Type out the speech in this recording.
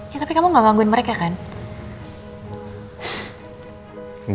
ya tapi kamu gak gangguin mereka kan